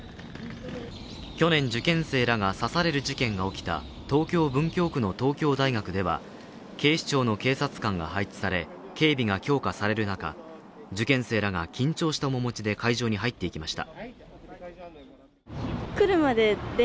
去年、受験生らが刺される事件が起きた東京・文京区の東京大学では、警視庁の警察官が配置され、警備が強化される中、受験生らが緊張した面持ちで会場に入っていきました。